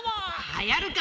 はやるか！